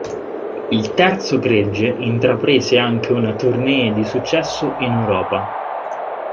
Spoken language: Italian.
Il terzo gregge intraprese anche una tournée di successo in Europa.